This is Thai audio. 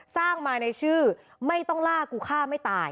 สร้างมาในชื่อไม่ต้องล่ากูฆ่าไม่ตาย